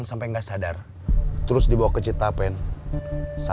sampai jumpa di video selanjutnya